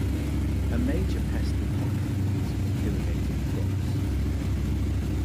A major pest in hot countries of irrigated crops.